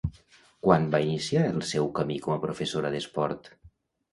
Quan va iniciar el seu camí com a professora d'esport?